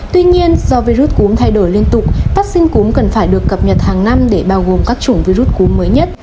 tuy nhiên do virus cúm thay đổi liên tục phát sinh cúm cần phải được cập nhật hàng năm để bao gồm các chủng virus cúm mới nhất